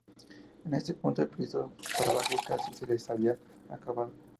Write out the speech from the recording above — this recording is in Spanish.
En ese punto, el precioso brebaje casi se les había acabado.